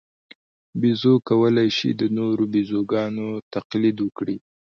بیزو کولای شي د نورو بیزوګانو تقلید وکړي.